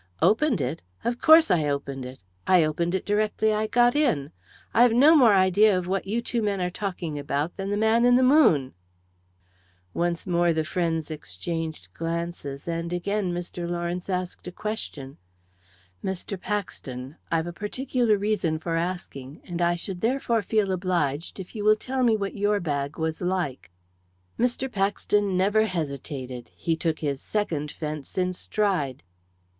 "Opened it? Of course I opened it! I opened it directly I got in. I've no more idea of what you two men are talking about than the man in the moon." Once more the friends exchanged glances, and again Mr. Lawrence asked a question. "Mr. Paxton, I've a particular reason for asking, and I should therefore feel obliged if you will tell me what your bag was like?" Mr. Paxton never hesitated he took his second fence in his stride.